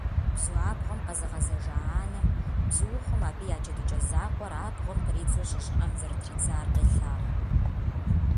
Бзуабгъуэм къэзыгъэзэжа анэм, бзуухъум абы я джэдыкӀэ закъуэр абгъуэм къридзу щӀы щӀыӀэм зэрытридзар къелъагъу.